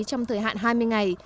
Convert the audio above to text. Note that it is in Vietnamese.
trong thời hạn hai mươi ngày